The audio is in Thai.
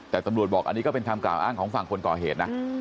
แต่ตำรวจบอกอันนี้ก็เป็นคำกล่าวอ้างของฝั่งคนก่อเหตุนะ